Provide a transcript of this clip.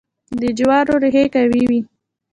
د جوارو ریښې قوي وي.